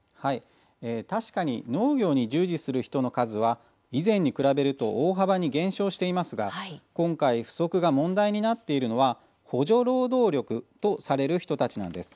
確かに農業に従事する人の数は、以前に比べると大幅に減少していますが今回不足が問題になっているのは補助労働力とされる人たちなんです。